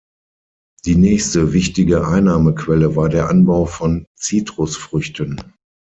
Die nächste wichtige Einnahmequelle war der Anbau von Zitrusfrüchten.